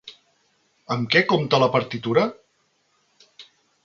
Amb què compta la partitura?